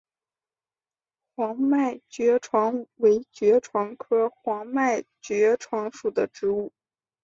黄脉爵床为爵床科黄脉爵床属的植物。